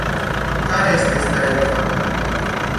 Care este starea de fapt actuală?